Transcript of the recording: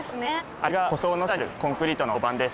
あれが舗装の下にあるコンクリートの床版です。